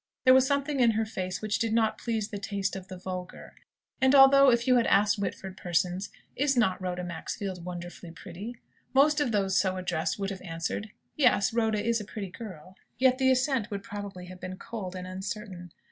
There was something in her face which did not please the taste of the vulgar. And although, if you had asked Whitford persons "Is not Rhoda Maxfield wonderfully pretty?" most of those so addressed would have answered, "Yes, Rhoda is a pretty girl;" yet the assent would probably have been cold and uncertain.